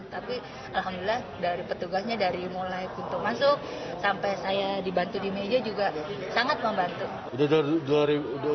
tapi alhamdulillah dari petugasnya dari mulai pintu masuk sampai saya dibantu di meja juga sangat membantu